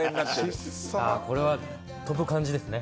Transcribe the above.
これは飛ぶ感じですね。